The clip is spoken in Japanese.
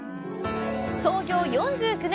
創業４９年！